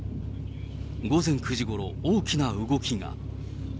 午前９時ごろ、大きな動きが。